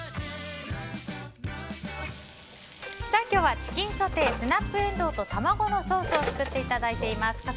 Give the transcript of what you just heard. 今日はチキンソテースナップエンドウと卵のソースを作っていただいています。